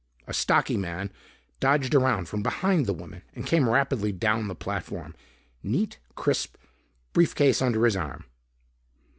A stocky man dodged around from behind the woman and came rapidly down the platform, neat, crisp, briefcase under his arm.